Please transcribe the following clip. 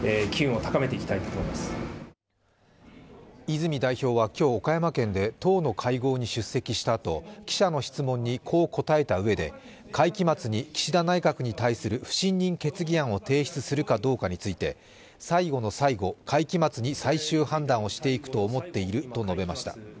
泉代表は今日、岡山県で党の会合に出席したあと、記者の質問にこう答えたうえで、会期末に岸田内閣に対する不信任決議案を提出するかどうかについて最後の最後、会期末に最終判断をしていくと思っていると述べました。